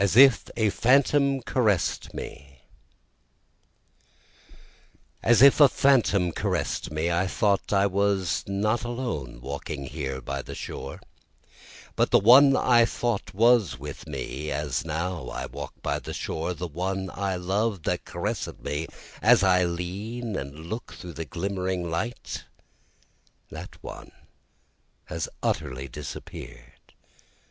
As If a Phantom Caress'd Me As if a phantom caress'd me, I thought I was not alone walking here by the shore; But the one I thought was with me as now I walk by the shore, the one I loved that caress'd me, As I lean and look through the glimmering light, that one has utterly disappear'd.